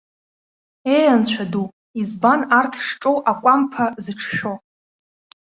Ее, анцәа ду, избан арҭ шҿоу акәамԥа зыҿшәо!